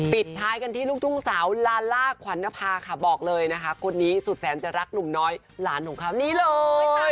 ปิดท้ายกันที่ลูกทุ่งสาวลาล่าขวัญนภาค่ะบอกเลยนะคะคนนี้สุดแสนจะรักหนุ่มน้อยหลานของเขานี่เลย